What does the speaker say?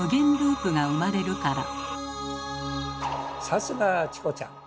さすがチコちゃん！